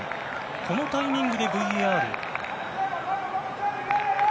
このタイミングでＶＡＲ。